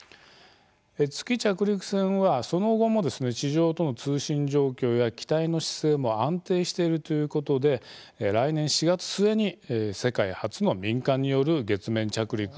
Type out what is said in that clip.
月着陸船はその後も地上との通信状況や機体の姿勢も安定しているということで来年４月末に、世界初の民間による月面着陸を目指します。